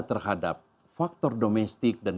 terhadap faktor domestik dan